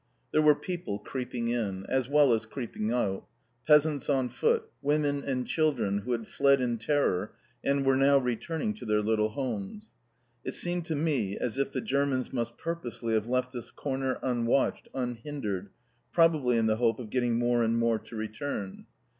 There were people creeping in, as well as creeping out, peasants on foot, women and children who had fled in terror and were now returning to their little homes. It seemed to me as if the Germans must purposely have left this corner unwatched, unhindered, probably in the hope of getting more and more to return.